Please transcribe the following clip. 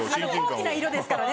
高貴な色ですからね